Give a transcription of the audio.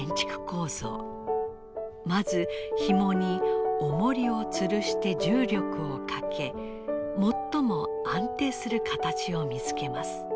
まずひもにおもりをつるして重力をかけ最も安定する形を見つけます。